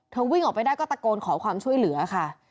วิ่งออกไปได้ก็ตะโกนขอความช่วยเหลือค่ะ